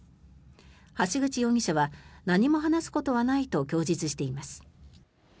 橋口容疑者は何も話すことはないと供述しています。